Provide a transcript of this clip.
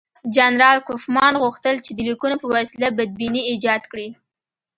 جنرال کوفمان غوښتل چې د لیکونو په وسیله بدبیني ایجاد کړي.